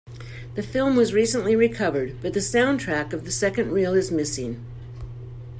The film was recently recovered, but the soundtrack of the second reel is missing.